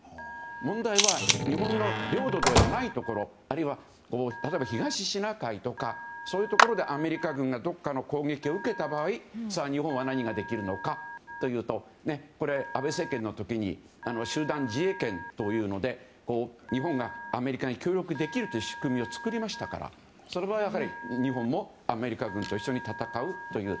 問題は日本の領土ではないところあるいは東シナ海とかそういうところでアメリカ軍がどこかの攻撃を受けた場合日本は何ができるのかというと安倍政権の時に集団自衛権というので日本がアメリカに協力できる仕組みを作りましたからそれはやはり日本もアメリカ軍と一緒に戦うという。